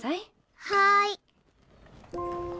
はい。